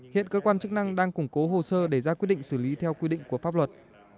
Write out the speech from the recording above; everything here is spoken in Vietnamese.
hiện cơ quan chức năng đang củng cố hồ sơ để ra quyết định xử lý theo quy định của pháp luật